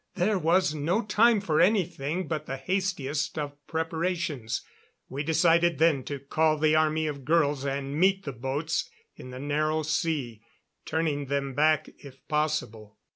There was no time for anything but the hastiest of preparations. We decided then to call the army of girls and meet the boats in the Narrow Sea, turning them back if possible.